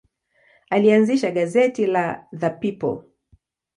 Alianzisha gazeti la The People.